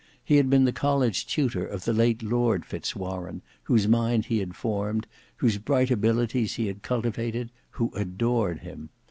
He had been the college tutor of the late Lord Fitz Warene, whose mind he had formed, whose bright abilities he had cultivated, who adored him.